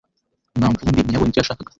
mwanvumbi ntiyabonye icyo yashakaga